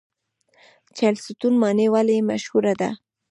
چهلستون ماڼۍ ولې مشهوره ده؟